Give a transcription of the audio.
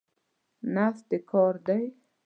نفت د کار دی.